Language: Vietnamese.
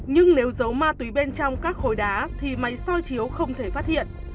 nhưng nếu giấu ma túy bên trong các khối đá thì máy soi chiếu không thể phát hiện